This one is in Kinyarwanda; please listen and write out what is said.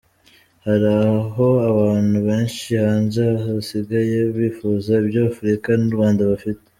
Hari aho abantu benshi hanze basigaye bifuza ibyo Afurika n’u Rwanda bifite.